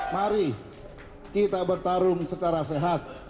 mari kita bertarung secara sehat